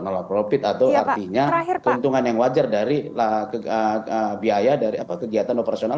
nolak profit atau artinya keuntungan yang wajar dari biaya dari kegiatan operasional